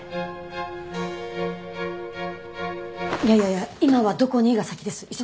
いやいやいや今は「どこに」が先です。